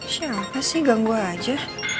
siapa sih ganggu aja